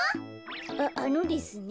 ああのですね